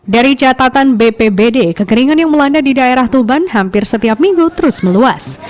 dari catatan bpbd kekeringan yang melanda di daerah tuban hampir setiap minggu terus meluas